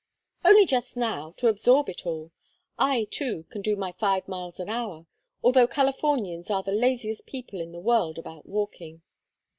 "Only just now to absorb it all. I, too, can do my five miles an hour, although Californians are the laziest people in the world about walking."